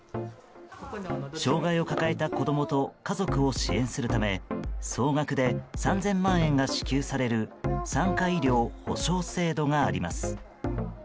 障害を抱えた子供と家族を支援するため総額で３０００万円が支給される産科医療補償制度があります。